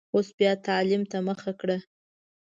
اوس بیا تعلیم ته مخه کړه.